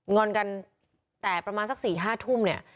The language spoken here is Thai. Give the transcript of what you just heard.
งอนกันแต่ประมาณสัก๔๕ทุ่มเนี่ย